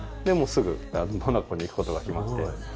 でもうすぐモナコに行くことが決まって。